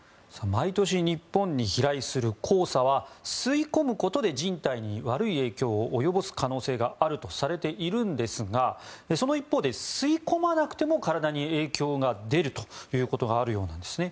毎年日本に飛来する黄砂は吸い込むことで人体に悪い影響を及ぼす可能性があるとされているんですがその一方で、吸い込まなくても体に影響が出るということがあるようなんですね。